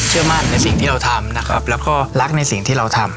เชื่อมั่นในสิ่งที่เราทำนะครับแล้วก็รักในสิ่งที่เราทำ